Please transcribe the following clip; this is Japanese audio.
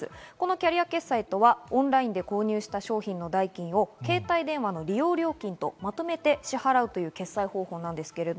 キャリア決済とはオンラインで購入した商品の代金を携帯電話の利用料金とまとめて支払うという決済方法です。